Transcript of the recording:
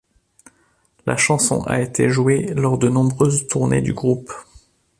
La chanson a été jouée lors de nombreuses tournées du groupe.